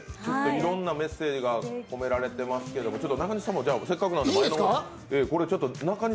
いろんなメッセージが込められていますけど、中西さんもせっかくなんで前の方へ。